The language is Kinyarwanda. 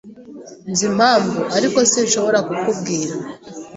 Nzi impamvu, ariko sinshobora kukubwira.